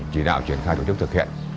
chỉ đạo triển khai tổ chức thực hiện